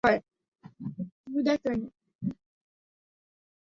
পরে আমাদের কাছ থেকে ডলার ছিনিয়ে নেওয়ার চেষ্টা করলে সন্দেহ হয়।